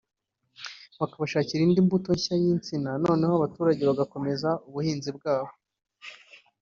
bakabashakira indi mbuto nshya y’insina noneho abaturage bagakomeza ubuhinzi bwabo